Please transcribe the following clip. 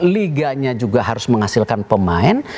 liganya juga harus menghasilkan pemain